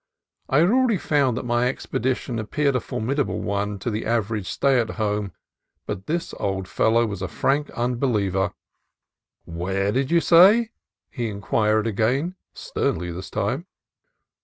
I had already found that my expedition appeared a formidable one to the average stay at home, but this old fellow was a frank unbeliever. "Whar did you say?" he in quired again, sternly this time.